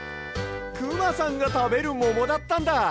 くまさんがたべるももだったんだ。